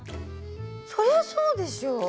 そりゃそうでしょ。